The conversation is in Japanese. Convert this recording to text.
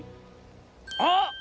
あっ！